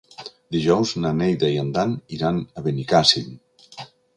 Dijous na Neida i en Dan iran a Benicàssim.